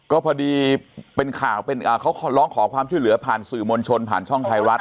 ก็พอดีเป็นข่าวเขาร้องขอความช่วยเหลือผ่านสื่อมวลชนผ่านช่องไทยรัฐ